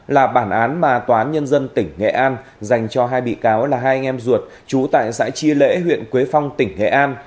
là bản án mà tòa án nhân dân tỉnh nghệ an dành cho hai bị cáo là hai anh em ruột trú tại xã chia lễ huyện quế phong tỉnh nghệ an